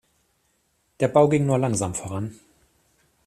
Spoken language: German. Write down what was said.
Der Bau ging nur langsam voran.